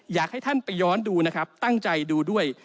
อยากให้ท่านไปย้อนดูนะครับตั้งใจดูด้วย